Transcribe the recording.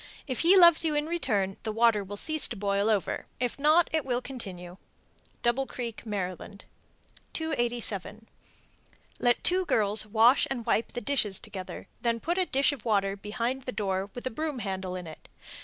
If he loves you in return, the water will cease to boil over; if not, it will continue. Double Creek, Md. 287. Let two girls wash and wipe the dishes together, then put a dish of water behind the door with a broom handle in it.